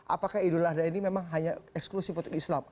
apakah idul adha ini memang hanya eksklusif untuk islam